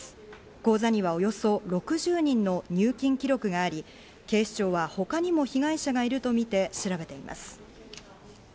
口座にはおよそ６０人の入金記録があり、警視庁は他にも被害者がいるとみて調べています。